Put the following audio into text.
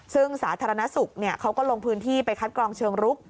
ซึ่งสาธารณสุขเขาก็ลงพื้นที่ไปคัดกรองเชิงรุก